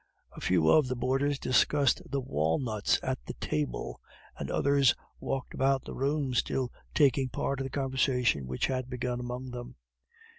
A few of the boarders discussed the walnuts at the table, and others walked about the room, still taking part in the conversation which had begun among them.